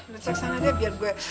ngecek sana deh biar gue